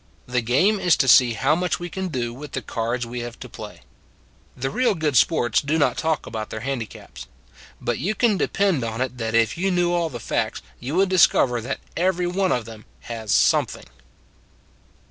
The game is to see how much we can do with the cards we have to play. The real good sports do not talk about their handicaps; but you can depend on it that if you knew all the facts you would discover that every one of them has some thing.